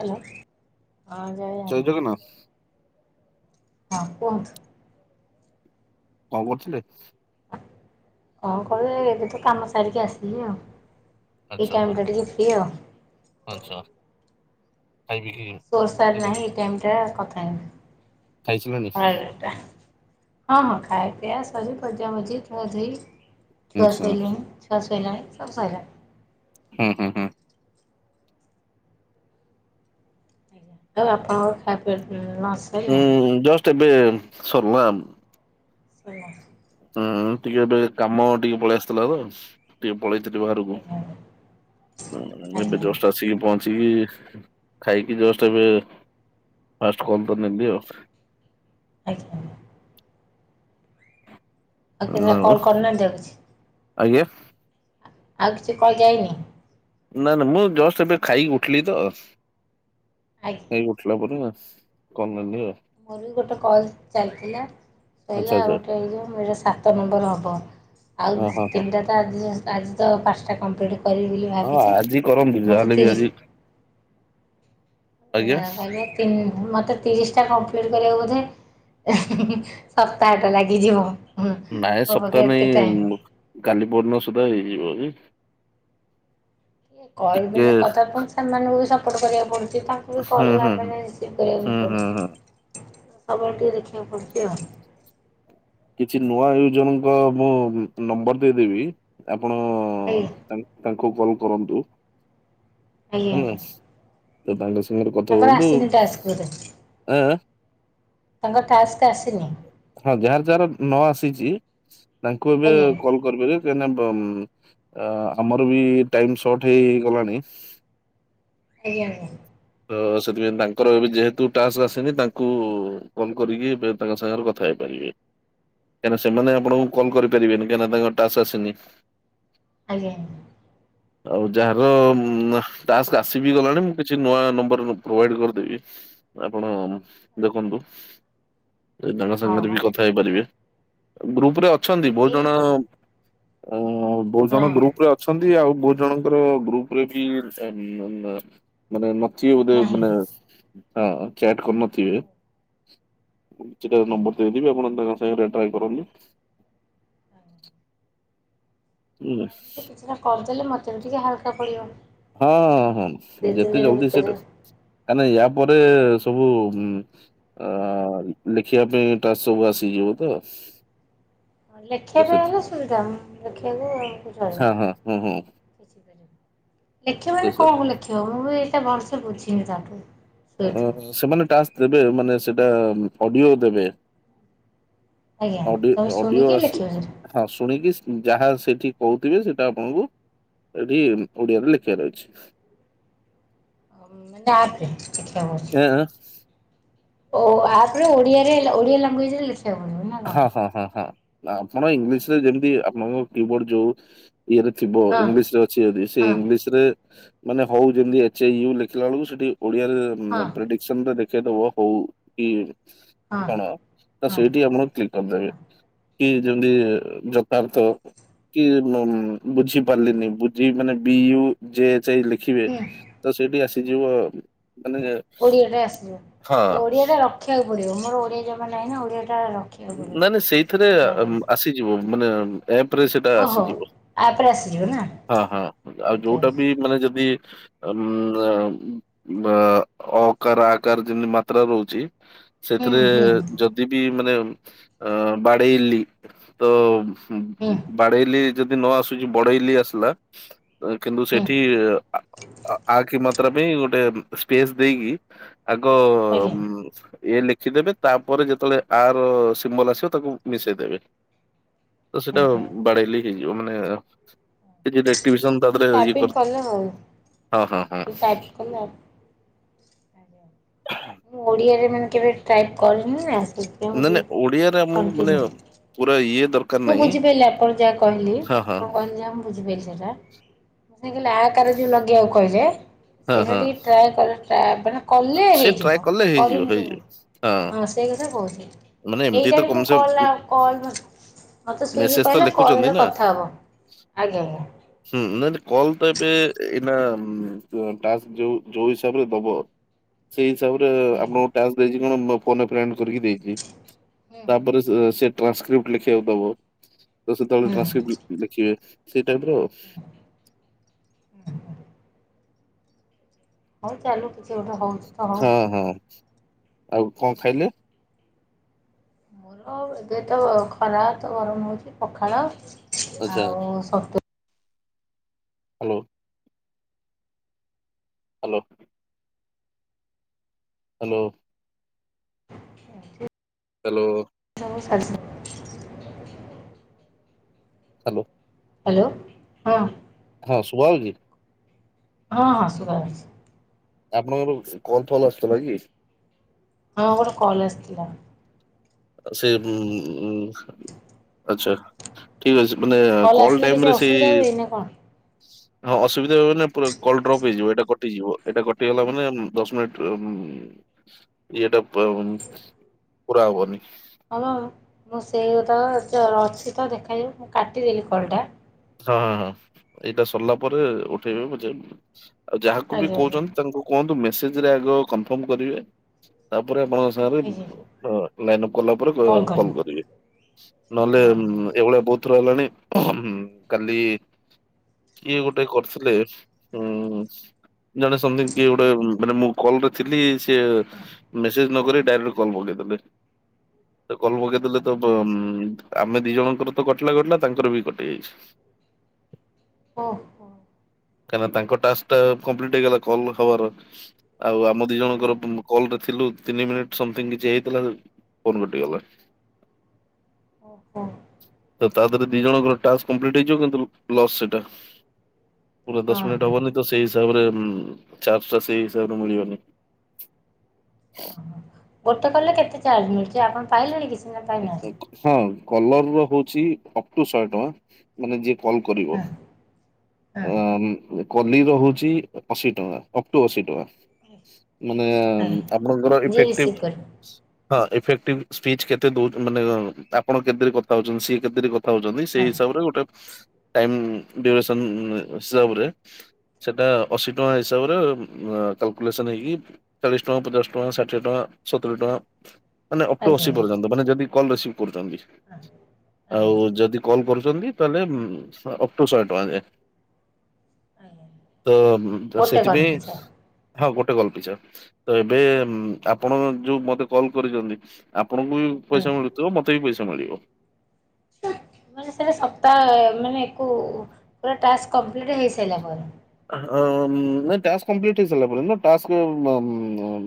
Hello ହଁ ଜୟେ [unintelligible] [unintelligible] ହଁ କୁହନ୍ତୁ। କଣ କରୁଥିଲେ? କଣ କହେ ଏବେ ତ କାମ ସାରିକି ଆସିଲି ଆଉ। ଏଇ ଟାଇମଟା ଟିକେ ଫ୍ରୀ ଆଉ। ଆଛା ଖାଇ ପିଇକିରି ସୋର ସାର ନାହିଁ ଏଇ ଟାଇମଟା କଥା ଖାଇସାରିଲଣି [unintelligible] ହଁ ହଁ ଖାଇ ପିଆ ସରି ମଜାମଜି ଧୁଆଧୋଇ ଛୁଆ ଆଚ୍ଛା ଶୋଇଲେଣି। ଛୁଆ ଶୋଇଲାଣି ସବୁ ଶଇଲାଣି। ହୁଁ ହୁଁ ହୁଁ। ଆଉ ଆପଣଙ୍କ ଖାଇବା ପିଆ ନସ୍ ହୁଁ ଜଷ୍ଟ୍ ଏବେ ସରଲା ଓହୋ। ହୁଁ ଟିକେ ଏବେ କାମ ଟିକେ ପଳେଆସଥିଲା ତ। ଟିକେ ପଳେଇଥିଲି ବାହାରକୁ ଆଜ୍ଞା ଆଜ୍ଞା ଉଁ ଏବେ ଜଷ୍ଟ ଆଜ୍ଞା ଆସିକି ପହ ଆସିକି ଖାଇକି ଜଷ୍ଟ ଏବେ ଫାଷ୍ଟ କଲ ତ ନେଲି ଆଉ। ଆଛା। ଆଉ କେତେବେଳେ ନାମ କଲ୍ କରିନାହାନ୍ତି ଆଉ କିଛି? ଆଜ୍ଞା? ଆଉ କିଛି କଲ୍ ଯାଇନି? ନା ନା ମୁଁ ଜଷ୍ଟ ଏବେ ଖାଇକି ଉଠିଲି ତ। ଆଜ୍ଞା। ଖାଇକି ଉଠିଲା ପରେ କଲ ନେଲି। ମୋର ବି ଗୋଟେ କଲ ଚାଲିଥିଲା। ଆଚ୍ଛା କହିଲା ଆଉ ଆଚ୍ଛା ଗୋଟେ ହେଇଯାଉ ମୋର ସାତ ନମ୍ବର ହବ ଆଉ ହଁ ଦି ହଁ ହଁ ତିନିଟା ତ ଆଜି ଯାଉ ଆଜି ଯାଉ ପାଞ୍ଚଟା କମ୍ପ୍ଲିଟ୍ କରିବି ବୋଲି ହଁ ଭାବିଚି ଆଜି କରନ୍ତୁ ଯାହାହେଲେ ମତେ ବି ଆଜି ତିରିଶ୍ ଓ ଆଜ୍ଞା କହିବେ ତିନ ମତେ ତିରିଶଟା କମ୍ପ୍ଲିଟ କରିବାକୁ ବୋଧେ ସପ୍ତାହଟା ଲାଗିଯିବ। ନାଇଁ ମୋ ପାଖରେ ସପ୍ତାହ ଏତେ ଟାଇମ୍। ନାଇଁ କାଲି ପହରଦିନ ସୁଦ୍ଧା ହେଇଯିବ ଯେ। ଇଏ କଲ ଟିକେ ବେଳେ କଥା ପୁଣି ସେମାନଙ୍କୁ ବି ସପୋର୍ଟ କରିବାକୁ ପଡୁଚି ତ ମୁଁ ହୁଁ କଲା ହୁଁ ହୁଁ ମାନେ ରିସିଭ୍ କରିବାକୁ ହିଁ ହୁଁ ହୁଁ ପଡ଼ୁଚି ହୁଁ। ତ ସବୁ ଆଡେ ଟିକେ ଦେଖିବାକୁ ପଡ଼ୁଚି ଆଉ। କିଛି ନୂଆ ୟୁଜରଙ୍କ ମୁଁ ନମ୍ବର ଦେଇଦେବି ଆପଣ ଆଜ୍ଞା ତାନ୍ ତାଙ୍କୁ କଲ କରନ୍ତୁ ଆଜ୍ଞା ହେଲା। ଆଜ୍ଞା ତ ତାଙ୍କ ସାଙ୍ଗରେ କଥା ତାଙ୍କର ହୁଅନ୍ତୁ ଆସିନି ଟାସ୍କ ବୋଧେ। ଆଁ? ତାଙ୍କ ଟାସ୍କ ଆସିନି? ହଁ ଯାହାର ଯାହାର ନ ଆସିଚି ତାଙ୍କୁ ଏବେ ଆଜ୍ଞା କଲ୍ କରିପାରିବେ। ଆମର ବି ଟାଇମ ସର୍ଟ ହେଇଗଲାଣି ଆଜ୍ଞା ଆଜ୍ଞା। ତ ସେଥିପାଇଁ ତାଙ୍କର ଏବେ ଯେହେତୁ ଟାସ୍କ ଆସିନି ତାଙ୍କୁ କଲ କରିକି ଏବେ ତାଙ୍କ ସାଙ୍ଗରେ କଥା ହେଇପାରିବେ। କାହିଁକିନା ସେମାନେ ଆପଣଙ୍କୁ କଲ୍ କରିପାରିବେନି କାହିଁକି ତାଙ୍କ ଟାସ୍କ ଆସିନି ଆଜ୍ଞା। ଆଉ ଯାହାର ଟାସ୍କ ଆସିିବି ଗଲାଣି ମୁଁ କିଛି ନୂଆ ନମ୍ବରକୁ ପ୍ରୋଭାଇଡ କରିଦେବି ଆପଣ ଦେଖନ୍ତୁ। ସେ ତାଙ୍କ ହଁ ସାଙ୍ଗରେ ବି ହଁ କଥା ହେଇପାରିବେ ଗ୍ରୁପରେ ଅଛନ୍ତି ବହୁତ ଏଇ ଜଣ ଅଁ ବହୁତ ହଁ ଜଣ ନାହିଁ। ଗ୍ରୁପ ଅଛନ୍ତି ଆଉ ବହୁ ଜଣଙ୍କର ଗ୍ରୁପରେ ବି [unintelligible] ଚି ବୋଧେ ଆଜ୍ଞା ମାନେ ହଁ ଚାଟ କରିନଥିବେ ଆଜ୍ଞା କିଛିଟା ନମ୍ବର ଆଜ୍ଞା। ଦେଇଦେବି ଆପଣ ତାଙ୍କ ସାଙ୍ଗ ଟ୍ରାଏ କରନ୍ତୁ [inaudible] ସେଇଟା କରିଦେଲେ ମତେ ବି ଟିକେ ହାଲକା ପଡ଼ିବ ହଁ ହଁ ହଁ ଯେତେ ଜଲଦି ସେଟା କାଇଁକି ନା ୟା ପରେ ସବୁ ଆ ଲେଖିବା ପାଇଁ ଟାସ୍କ ସବୁ ଆସିଯିବ ତ ଲେଖିବା ତ ସେ ପାଇଁ ହେଲେ ସୁବିଧା ଲେଖିବାକୁ ଲେଖିବ ହଁ ହଁ ହୁଁ ହୁଁ ତ ମାନେ କଣ ସେ କ ଲେଖିବ ମୁଁ ବି ଏତେ ଭଲସେ ବୁଝିନି ତାଠୁ ସେଇଠୁ ସେମାନେ ଟାସ୍କ ଦେବେ ମାନେ ସେଟା ଅଡିଓ ଦେବେ ଆଜ୍ଞା ଅଡି ତମେ ଅଡିଓ ଶୁଣିକି ଆସ ଲେଖିବ ସେଠି ହଁ ଶୁଣିକି ଯାହା ସେଠି କହୁଥିବେ ସେଇଟା ଆପଣଙ୍କୁ ଏଠି ଓଡିଆରେ ଲେଖିବାର ଅଛି। ଏଁ [inaudible] ଓ ଆପରେ ଓଡିଆରେ ଓଡିଆ ଲାଙ୍ଗୁଏଜରେ ଲେଖିବାକୁ ପଡିବ ନା କଣ? ହଁ ହଁ ହଁ ହଁ ଆପଣ ଇଂଲିଶରେ ଯେମିତି ଆପଣଙ୍କର କି ବୋର୍ଡ ଯୋଉ ଇଏରେ ଥିବ ହଁ ଇଂଲିଶରେ ଅଛି ଯଦି ସେ ହଁ ଇଂଲିଶ ରେ ମାନେ ହଉ ଯେମିତି ଏଚୟୁ ଲେଖିଲା ବେଳକୁ ସେଠି ଓଡିଆରେ ହଁ ପ୍ରେଡିକ୍ଟ ଦେଖେଇଦବ ହଉ କି ହଁ କଣ ତ ହଁ ସେଇଠି ଆମର କରିଦେବେ କି ଯେମତି ଯଥାର୍ଥ କି ବୁଝି ପାରିଲିନି ବୁଝି ମାନେ ବି ୟୁ ଜେ ଏଚ ଲେଖିବେ ହଁ। ତ ସେଇଠି ଆସ ସେ ଯିବ ମାନେ ଓଡ଼ିଆଟା ଆସିଯିବ ହଁ ତ ଓଡ଼ିଆଟା ରଖିବାକୁ ପଡିବ ମୋର ଓଡ଼ିଆ ଜମା ନାହିଁ ନା ଓଡ଼ିଆଟା ନାଇ ନାଇଁ ସେଇଥିରେ ଆସିଯିବ ମାନେ ଆପରେ ସେଟା ଓହୋ ଆସିଯିବ। ଆପରେ ଆସିଯିବ ନା? ହଁ ହଁ ଆଉ ଓକେ ଯୋଉଟା ଓକେ। ବି ମାନେ ଯଦି ଉ ଅକାର ଆକାର ଯେମିତି ମାତ୍ରା ରହୁଛି। ହୁଁ ସେଥିରେ ହୁଁ ଯଦି ବି ମାନେ ଅ ବାଡେଇଲି ତ ହୁଁ। ବାଡେଇଲି ଯଦି ନ ଆସୁଛି ବଡେଇଲି ଆସିଲା। କିନ୍ତୁ ହୁଁ ସେଠି ଆ କିମତ ମାତ୍ରା ପାଇଁ ଗୋଟେ ସ୍ପେସ ଦେଇକି ଆଗ ଆଜ୍ଞା ଏ ଲେଖିଦେବେ ତାପରେ ଯେତେବେଳେ ଆର ସିମ୍ବଲ ଆସିବ ତାକୁ ମିଶେଇ ଦେବେ। ତ ସେଇଟା ଆଜ୍ଞା। ବାଡେଇଲେ ହେଇଯିବ ମାନେ ଏକ୍ଟିଭେସନ ତା ଦେହରେ ଇଏ ଟାଇପିଂ କର ହଁ ହଁ ହଁ। ଆପ କଲା ମୁଁ ଓଡ଼ିଆରେ ମାନେ କେବେ ଟାଇପ୍ କରିନି ନା ସେଇଥି ନା ନାଇ ଓଡିଆରେ ଆମ ମାନେ ପୁରା ଇଏ ଦର ମୁଁ ବୁଝିପାରିଲି ଆପଣ ଯାହା କହିଲି ହଁ ଆପଣ କହିଲେ ଯାହା ମୁଁ ବୁଝିପାରି ସେଟା [inaudible] ଆକାର ଯୋଉ ଲଗେଇବାକୁ କହେ? ହଁ ଏଇଟା ହଁ ଟିକେ ଟ୍ରାଏ କର ଟ୍ରାଏ କର। କଲେ ସେ ଟ୍ରାଏ ହେଇଯିବ କଲେ ହେଇଯିବ କରିନି ହେଇଯିବ ହଁ ତେ ସେଇ କଥା କହୁଚି। ମାନେ ଏମିତି ଏଇଟା ତ ବି ମୁଁ କମ ସେ କଲ କମ କଲ ମୋତେ ସିଏ ବି ମେସେଜ ତ କହିଲା କଲ୍ ଲେଖୁଛନ୍ତି ରେ ନା କଥା ହେବ ଆଜ୍ଞା ଆଜ୍ଞା। ହୁଁ ନାଇ କଲ ତ ଏବେ ଏଇନା ବାସ ଯୋଉ ହିସାବରେ ଦବ। ସେଇ ହିସାବରେ ଆଜ୍ଞା ଆପଣଙ୍କୁ ଟାସ୍କ ଦେଇଛି କଣ ଫୋନ ଆ ଫ୍ରେଣ୍ଡ କରିକି ଦେଇଛି ହୁଁ ତାପରେ ସେ ଟ୍ରାନ୍ସକ୍ରିପ୍ଟ ଲେଖିବାକୁ ଦେବ ସେତେବେଳେ ହୁଁ ହୁଁ। ଟ୍ରାନ୍ସକ୍ରିପ୍ ଲେଖିବେ। ସେଇଟାପର ହୁଁ। ହଉ ଚାଲୁ କିଛି ଗୋଟ ହଁ ହଁ ଆଉ କଣ ଖାଇଲେ? ମୋର ଏ ତ ଖରା ତ ଗରମ ହେଉଛି ପଖାଳ ଆଚ୍ଛା ଆଉ ହ୍ୟାଲୋ? ହ୍ୟାଲୋ? ହ୍ୟାଲୋ? [inaudible] ହ୍ୟାଲୋ? ସ [inaudible] ହ୍ୟାଲୋ? ହ୍ୟାଲୋ ହଁ। ହଁ ସୁଭା ଯାଉଚି। ହଁ ହଁ ସୁଭା ଯାଉଚି। ଆପଣଙ୍କର କଲଫଲ ଆଶୁଥିଲା କି? ହଁ ଗୋଟେ କଲ୍ ଆସିଥିଲା। ସେ ଆଛା ଠିକ ଅଛି ମାନେ କଲ୍ କଲ ଆସିଲେ କିଛି ଟାଇମରେ ଅସୁବିଧା ସେଇ ହୁଏ ନା କଣ? ହଁ ଅସୁବିଧା ହ ମାନେ କଲ ଡ୍ରପ ହେଇଯିବ ଏଇଟା କଟିଯିବ ଏଟା କଟିଗଲା ମାନେ ଦଶ ମିନିଟ୍ ଏଇଟା ପା ପୁରା ହବନି। ହଁ ମ ମୁଁ ସେଇ ତ ଅଛି ତ ଦେଖାଯାଉ ମୁଁ କାଟିଦେଲି କଲ୍ ଟା। ହଁ ହଁ ହଁ ଏଇଟା ସରିଲା ପରେ ଉଠେଇବେ ବୁଝେଇ ଆଉ ଯାହାକୁ ବି ଆଜ୍ଞା ଆଜ୍ଞା କହୁଛନ୍ତି ତାଙ୍କୁ କୁହନ୍ତୁ ମେସେଜରେ ଆଗ କନଫର୍ମ କରିବେ ତାପରେ ଆପଣ। ଆଜ୍ଞା ଲାଇନ୍ ଅପ କଲା ପରେ କହିବେ କଲ୍ କରିବେ ହଁ ହଁ ନହେଲେ ଏଇଭଳିଆ ବହୁତ ହେଲାଣି କାଲି କିଏ ଗୋଟେ କରିଥିଲେ ଉଁ। ଜଣେ ସନ୍ଦୀପ କିଏ ଗୋଟେ ମାନେ ମୁଁ କଲ୍ ରେ ଥିଲି। ହଁ। ମେସେଜ ନ କରି ଡାଇରେକ୍ଟ କଲ୍ ଲଗେଇଦେଲେ। କଲ ଆଜ୍ଞା ପକେଇଦେଲେ ତ ଆମେ ଦି ଜଣଙ୍କର ତ କଟିଲା କଟିଲା ତାଙ୍କର ବି କଟି ଯାଇଛି। ହଁ କାହିଁକିନା ତାଙ୍କ ଟାସ୍କ କଂପ୍ଲିଟ୍ ହେଇଗଲା କଲ ହବାର। ଆଉ ଆମ ଦି ଜଣଙ୍କର କଲ୍ ରେ ଥିଲୁ ତିନି ମିନିଟ୍ ସମଥିଙ୍ଗ କିଛି ହେଇଥିଲା ଫୋନ କଟିଗଲା। ଓହୋ। ତ ତା ଦେହରେ ଦି ଜଣଙ୍କର ଟାସ୍କ କମ୍ପ୍ଲିଟ ହେଇଯିବ କିନ୍ତୁ ଲସ୍ ସେଇଟା ପୁରା ଦଶ ମିନିଟ ଓହୋ ହବନି। ତ ସେଇ ହିସାବରେ ଚାର୍ଜ ଟା ସେଇ ହିସାବରେ ମିଳିବନି। ଓହୋ ଗୋଟେ କଲେ କେତେ ଚାର୍ଜ ମିଳୁଛି ଆପଣ ପାଇଲେଣି କି ସିନା ପାଇନାହାନ୍ତି। ହଁ କଲର ର ହଉଛି ଅପ ଟୁ ଶହେ ଟଙ୍କା ମାନେ ଯିଏ କଲ ହଁ କରିବ। ହଁ ଅ କଲି ରହୁଛି ଅଶୀ ଟଙ୍କା ଅପ ଟୁ ଅଶୀ ଟଙ୍କା। ମାନେ ଆଜ୍ଞା ଆପଣଙ୍କର ଯିଏ ଇଫେକ୍ଟିଭ। ରିସିଭ୍ କରିବ ହଁ ଏଇଫେକ୍ଟିଭ ସ୍ପିଚ୍ କେତେ ଦଉଚ ମାନେ ଆପଣ କେତେରେ କଥା ହଉଛନ୍ତି ସିଏ କେତେରେ କଥା ହେଉଛନ୍ତି ସେଇ ହଁ ହିସାବରେ ଗୋଟେ ଟାଇମ ଡ୍ୟୁରେସନ ହିସାବରେ ସେଇଟା ଅଶୀ ଟଙ୍କା ହିସାବରେ କାଲକୁଲେସନ୍ ହେଇକି ଚାଳିଶ ଟଙ୍କା, ପଚାଶ ଟଙ୍କା, ଷାଠିଏ ଟଙ୍କା, ସତୁରୀ ଟଙ୍କା ମାନେ ଅପ୍ ଟୁ ଆଜ୍ଞା ଅଶୀ ଆଜ୍ଞା ପର୍ଯ୍ୟନ୍ତ ମାନେ ଯଦି କଲ୍ ରିସିଭ୍ କରୁଛନ୍ତି, ହଁ ଆଉ ଆଜ୍ଞା। ଯଦି କଲ୍ କରୁଛନ୍ତି। ତାହେଲେ ଅପ୍ ଟୁ ଶହେ ଟଙ୍କା ଯାଏ। ଆଜ୍ଞା। ତ ଗୋଟେ କଲ୍ ସେଥିପାଇଁ ପିଛା ହଁ ଗୋଟେ କଲ୍ ପିଛା। ତ ଏବେ ଆପଣ ଯୋଉ ମତେ କଲ କରିଛନ୍ତି ଆପଣଙ୍କୁ ବି ପଇସା ଆଜ୍ଞା। ମିଳୁଥିବ ମତେ ବି ପଇସା ମିଳିବ। ମାନେ ସେଟା ସପ୍ତାହ ମାନେ ଏକୋ ପୁରା ଟାସ୍କ କଂପ୍ଲିଟ୍ ହେଇସାରିଲା ପରେ। ହଁ ନା ଟାସ୍କ କଂପ୍ଲିଟ୍ ହୋଇସାରିଲା ପରେ ନୁହଁ ଟାକ୍ସ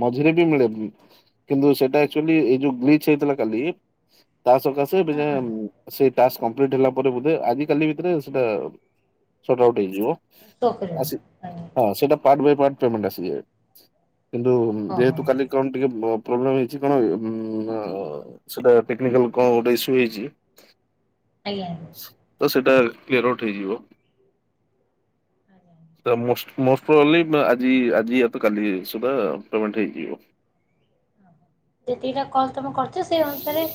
ମଝିରେ ବି ମିଳେ। କିନ୍ତୁ ସେଟା ଆଚୁଆଲି ଏଇ ଯୋଉ ଗ୍ଲିଚ ହେଇଥିଲା କାଲି ତା ସକାଶେ ଏବେ ହଁ ଯାଏ ହଁ। ସେ ଟାକ୍ସ କମ୍ପ୍ଲିଟ ହେଲା ପରେ ବୋଧେ ଆଜି କାଲି ଭିତରେ ସେଟା ସଟ ଆଉଟ୍ ହେଇଯିବ। ଆସି [unintelligible] ହଁ ସେଇଟା ପାର୍ଟ ବାଏ ପାର୍ଟ ପେମେଣ୍ଟ ଆସିଯାଏ କିନ୍ତୁ ଓହୋ ଯେହେତୁ କାଲି କଣ ଟିକେ ପ୍ରୋବ୍ଲେମ ହେଇଚି କଣ ସେଟା ଟେକନିକାଲ କଣ ଗୋଟେ ଇସୁ ହେଇଛି। ଆଜ୍ଞା। ତ ସେଇଟା କ୍ଲିୟର ଆଉଟ୍ ହେଇଯିବ। ମୋଷ୍ଟ ଓନ୍ଲି ଆଜି ଆଜି ୟା ତ କାଲି ସୁଦ୍ଧା ପେମେଣ୍ଟ ହେଇଯିବ। ଯେତିକିଟା କଲ୍ ତମେ କରିଛ ସେଇ ଅନୁସାରେ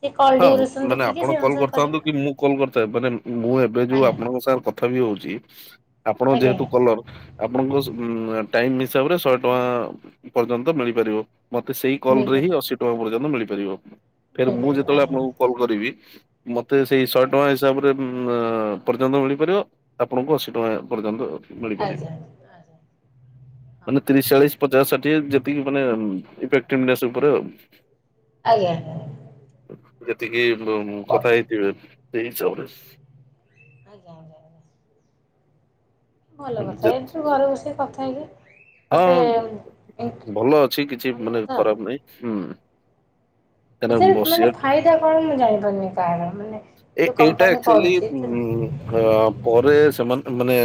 ସେ କଲ୍ ହଁ ଡୁରେସନ ମାନେ ଆପଣ ଦେଖିକି ସେଇ କଲ୍ ଅନୁସାରେ କରିଥାନ୍ତୁ କରିବ। କି ମୁଁ କଲ୍ କରିଥାଏ, ମାନେ ମୁଁ ଏବେ ଯୋଉ ଆପଣଙ୍କ ସାଙ୍ଗରେ କଥା ବି ହଉଛି ଆପଣ ଆଜ୍ଞା ଯେହେତୁ କଲର ଆପଣଙ୍କ ଆଜ୍ଞା ଟାଇମ୍ ହିସାବରେ ଶହେ ଟଙ୍କା ପର୍ଯ୍ୟନ୍ତ ମିଳିପାରିବ। ମତେ ସେଇ କଲରେ ହିଁ ମିଳିପାରିବ ଅଶୀ ଟଙ୍କା ପର୍ଯ୍ୟନ୍ତ ମିଳିପାରିବ। କାହିଁକିନା ମୁଁ ମିଳିପାରିବ ଯେତେବେଳେ ଆଜ୍ଞା ଆପଣଙ୍କୁ ଆଜ୍ଞା। କଲ୍ କରିବି ମୋତେ ସେଇ ଶହେ ଟଙ୍କା ହିସାବରେ ପର୍ଯ୍ୟନ୍ତ ମିଳିପାରିବ। ଆପଣଙ୍କୁ ଅଶୀ ଟଙ୍କା ପର୍ଯ୍ୟନ୍ତ ମିଳିପାରିବ। ଆଜ୍ଞା ଆଜ୍ଞା। ମାନେ ତିରିଶ ଚାଳିଶ ପଚାଶ ଷାଠିଏ ଯେତିକି ମାନେ ହଁ ଇଫେକ୍ଟିଭ୍ ନେସ ଉପରେ ଆଉ। ଆଜ୍ଞା। ଯେତିକି କଥା ହେଇଥିବେ ସେଇ ହିସାବରେ। ଆଜ୍ଞା ଆଜ୍ଞା। ଆଜ୍ଞା। ଭଲ କଥା ଏମିତି ଘରେ ବସି କଥା ହେଇକି ଗୋଟେ ହଁ ଭଲ ଅଛି କିଛି ଭଲ ମାନେ କଥା ଖରାପ ନାହିଁ ହୁଁ। କାହିଁକିନା ଏଥିରେ ମାନେ ବସିବା ଫାଇଦା କଣ ମୁଁ ଜାଣିପାରୁନି କାହାର ମାନେ? ଏ ଯୋଉ ଏଇଟା କମ୍ପାନୀ ଆକ୍ଚୁଆଲି କରୁଛି ଉ ଏଥିରେ କରେ ସେମାନେ ମାନେ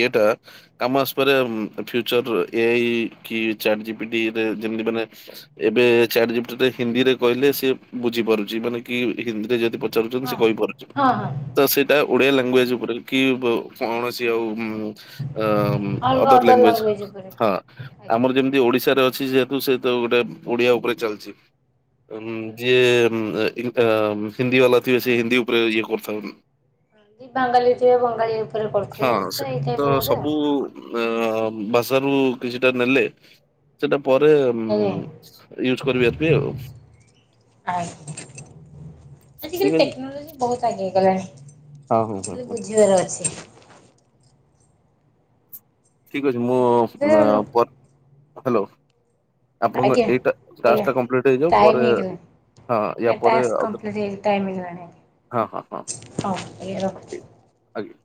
ଇଏଟା କାମ ଆସିପାରେ ଫ୍ୟୁଚର ଏଆଇ କି ଚାଟ୍ ଜପିଟି ରେ ଯେମିତି ମାନେ ଏବେ ଚାଟ୍ ଜିପିଟିରେ ହିନ୍ଦୀରେ କହିଲେ ସିଏ ବୁଝିପାରୁଛି ମାନେ କି ହିନ୍ଦୀରେ ଯଦି ଚାରୁଛନ୍ତି ହଁ ସେ କହିପାରୁଛନ୍ତି। ହଁ ହଁ ତ ସେଇଟା ଓଡିଆ ହଁ ଲାଙ୍ଗୁଏଜ ଉପରେ କି କୌଣସି ଆଉ ଆ ଅଲଗା ଅଦର ଲାଙ୍ଗୱେଜ୍ ଲାଙ୍ଗୁଏଜ ଉପରେ ହଁ। ଆଜ୍ଞା। ଆମର ଯେମିତି ଓଡିଶାରେ ଅଛି ଯେହେତୁ ସେ ତ ଗୋଟେ ଓଡିଆ ଉପରେ ଚାଲିଛି। ଯିଏ ହିନ୍ଦୀ ବାଲାଥିବେ ସିଏ ହିନ୍ଦୀ ଉପରେ ଇଏ କରୁଥା ବାଙ୍ଗାଳୀ ଥିବେ ବଙ୍ଗାଳୀ ଉପରେ ହଁ କରୁଥିବେ ସେ ତ ଏଇ ଟାଇପର ବୋଧେ ଆଉ। ସବୁ ଅ ଭାଷାରୁ କିଛିଟା ନେଲେ ସେଟା ପରେ ଆଜ୍ଞା। ୟୁଜ କରିବେ ଯେମିତି ଆଉ। ଆଜ୍ଞା ଆଜି ଠିକ୍ କାଲି ଅଛି ଟେକ୍ନୋଲୋଜି ବହୁତ ଆଗେଇ ହେଇଗଲାଣି। ହଁ ହଁ ହଁ ଖାଲି ହଁ। ବୁଝିବାର ଅଛି। ଠିକ୍ ଅଛି ମୁଁ ଆଜ୍ଞା ପ ହ୍ୟାଲୋ। ଆପଣଙ୍କ ଆଜ୍ଞା ଏଇଟା କ୍ ଟା କମ୍ପ୍ଟ ହେଇଯାଉ ପରେ ହଁ ୟା ନାଇଁ ପରେ ଟାସ୍ ଆଉ କମ୍ପ୍ଲିଟ ହେଇନି ଟାଇମ୍ ହେଇନି। ହଁ ହଁ ହଁ ହଁ ଏ ଇ ରଖ ଠିକ୍ ଆଜ୍ଞା